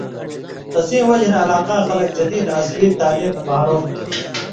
تسیں وجہۡ ہِن علاقاں خلک جدید عصری تعلیم نہ محرُوم تُھو۔